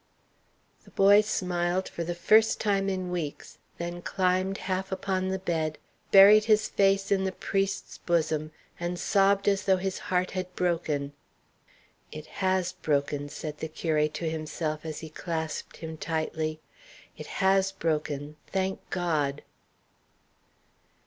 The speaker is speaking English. The boy smiled for the first time in weeks, then climbed half upon the bed, buried his face in the priest's bosom, and sobbed as though his heart had broken. "It has broken," said the curé to himself as he clasped him tightly. "It has broken thank God!"